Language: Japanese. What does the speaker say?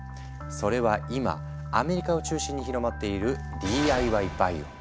それは今アメリカを中心に広まっている「ＤＩＹバイオ」。